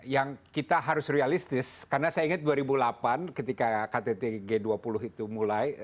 yang kita harus realistis karena saya ingat dua ribu delapan ketika ktt g dua puluh itu mulai